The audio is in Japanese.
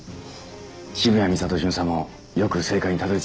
渋谷美里巡査もよく正解にたどり着きましたね。